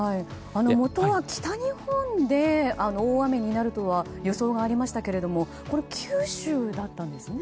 もとは北日本で大雨になるとは予想がありましたけれども九州だったんですね。